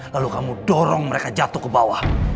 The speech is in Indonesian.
lalu kamu dorong mereka jatuh ke bawah